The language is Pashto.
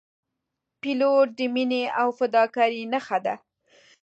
پیلوټ د مینې او فداکارۍ نښه ده.